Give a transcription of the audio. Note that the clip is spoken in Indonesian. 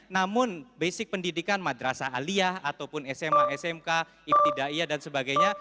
namun basic pendidikan madrasah aliyah ataupun sma smk ibtidaiyah dan sebagainya